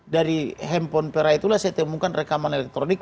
dari handphone pera itulah saya temukan rekaman elektronik